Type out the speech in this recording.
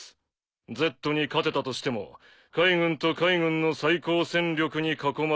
Ｚに勝てたとしても海軍と海軍の最高戦力に囲まれて全滅。